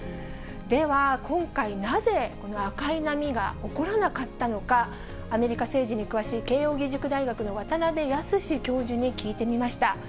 では、今回なぜ、この赤い波が起こらなかったのか、アメリカ政治に詳しい慶応義塾大学の渡辺靖教授に聞いてみました。